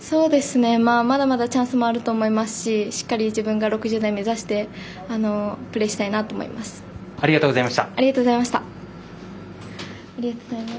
まだまだチャンスもあると思いますししっかり自分が６０台目指してプレーしたいなと思います。